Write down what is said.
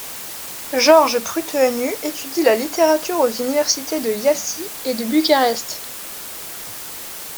George Pruteanu étudie la littérature aux universités de Iași et de Bucarest.